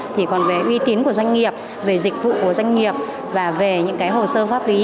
thì còn về uy tín của doanh nghiệp về dịch vụ của doanh nghiệp và về những cái hồ sơ pháp lý